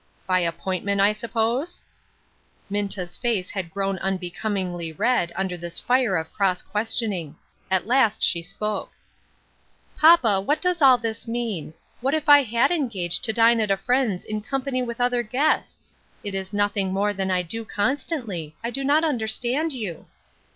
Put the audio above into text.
" By appointment, I suppose ?" Minta's face had grown unbecomingly red under this fire of cross questioning. At last she spoke :— A PLAIN UNDERSTANDING. 207 " Papa, what does all this mean ? What if I had engaged to dine at a friend's in company with other guests ? It is nothing more than I do con stantly. I do not understand you."